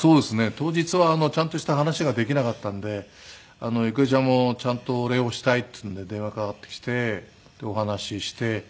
当日はちゃんとした話ができなかったんで郁恵ちゃんもちゃんとお礼をしたいっていうんで電話かかってきてお話しして。